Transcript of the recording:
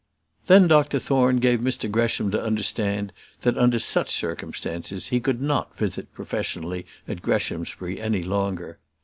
Then Dr Thorne gave Mr Gresham to understand that, under such circumstances, he could not visit professionally at Greshamsbury any longer.